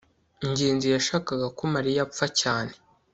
ngenzi yashakaga ko mariya apfa cyane